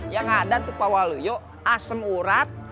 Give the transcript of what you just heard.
yang ada tuh pak waluyo asem urat